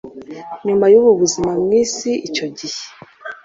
Nyuma yubu buzima Mu isi icyo gihe